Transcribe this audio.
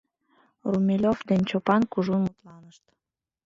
Румелёв деч Чопан кужун мутланышт.